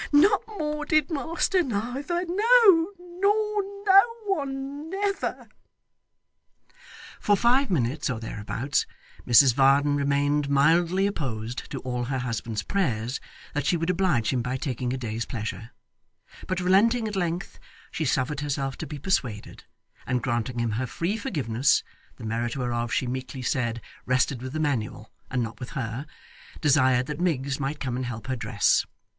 Not more did master neither; no, nor no one never!' For five minutes or thereabouts, Mrs Varden remained mildly opposed to all her husband's prayers that she would oblige him by taking a day's pleasure, but relenting at length, she suffered herself to be persuaded, and granting him her free forgiveness (the merit whereof, she meekly said, rested with the Manual and not with her), desired that Miggs might come and help her dress.